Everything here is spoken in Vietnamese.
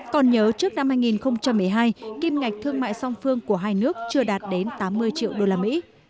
còn nhớ trước năm hai nghìn một mươi hai kim ngạch thương mại song phương của hai nước chưa đạt đến tám mươi triệu đô la mỹ